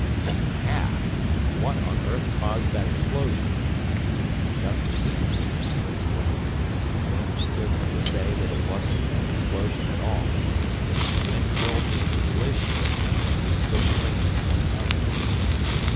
"You have. What on earth caused that explosion?" A gust of wind blew his words away. I understood him to say that it wasn't an explosion at all. The wind hurled me into collision with him, and we stood clinging to one another.